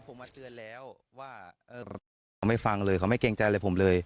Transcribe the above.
ผมมาเตือนแล้วว่าเขาไม่ฟังเลยเขาไม่เกรงใจอะไรผมเลย